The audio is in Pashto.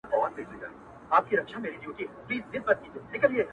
زه به د درد يوه بې درده فلسفه بيان کړم؛